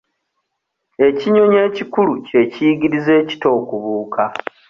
Ekinyonyi ekikulu kye kiyigiriza ekito okubuuka.